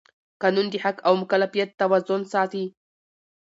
قانون د حق او مکلفیت توازن ساتي.